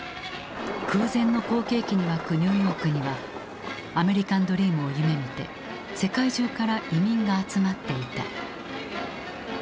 空前の好景気に沸くニューヨークにはアメリカンドリームを夢みて世界中から移民が集まっていた。